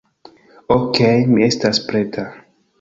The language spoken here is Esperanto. Okej, mi estas preta